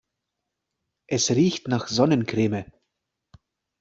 Es riecht nach Sonnencreme.